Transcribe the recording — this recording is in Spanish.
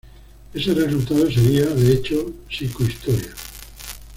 Ese resultado sería, de hecho, psicohistoria.